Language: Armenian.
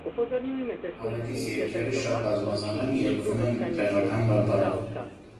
«Ավետիս» երգերը շատ բազմա զան են, երգվում են տեղական բարբառով։